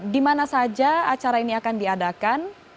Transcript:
dimana saja acara ini akan diadakan